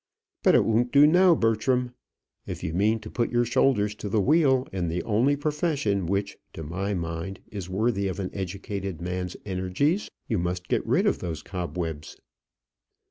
But it won't do now, Bertram. If you mean to put your shoulders to the wheel in the only profession which, to my mind, is worthy of an educated man's energies, you must get rid of those cobwebs."